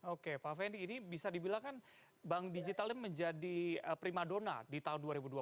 oke pak fendi ini bisa dibilang kan bank digital ini menjadi prima dona di tahun dua ribu dua puluh